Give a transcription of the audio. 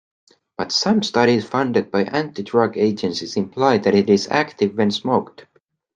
But some studies funded by anti-drug agencies imply that it is active when smoked.